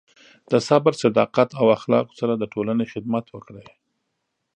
د صبر، صداقت، او اخلاقو سره د ټولنې خدمت وکړئ.